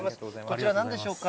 こちら、なんでしょうか。